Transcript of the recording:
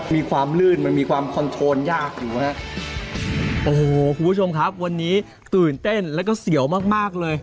มีความลื่นมันมีความคอนโทนยากอยู่ฮะโอ้โหคุณผู้ชมครับวันนี้ตื่นเต้นแล้วก็เสียวมากมากเลย